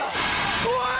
怖い！